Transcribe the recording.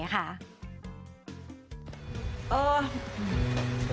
คือ